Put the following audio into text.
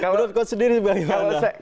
menurut coach sendiri bagaimana